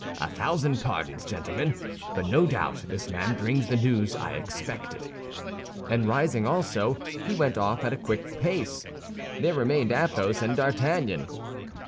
"A thousand pardons, gentlemen; but no doubt this man brings me the news I expected." And rising also, he went off at a quick pace. There remained Athos and D'Artagnan.